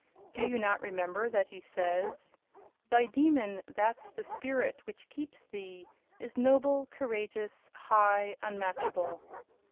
"Do you not remember that he says: 'Thy demon (that's thy spirit which keeps thee) is Noble, courageous, high, unmatchable.'"